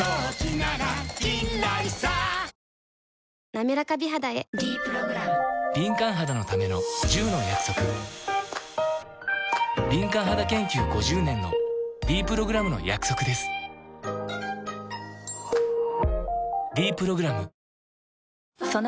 なめらか美肌へ「ｄプログラム」敏感肌研究５０年のｄプログラムの約束です「ｄプログラム」